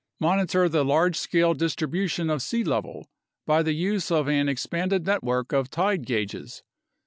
Monitor the large scale distribution of sea level by the use of an expanded network of tide gauges.